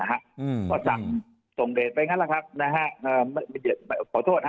อืมต่อสั่งตรงเดชไปงั้นแหละครับนะฮะเอ่อป่าวโทษฮะ